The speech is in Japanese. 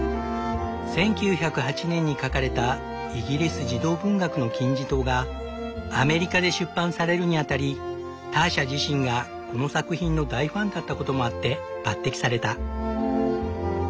１９０８年に書かれたイギリス児童文学の金字塔がアメリカで出版されるにあたりターシャ自身がこの作品の大ファンだったこともあって抜擢された。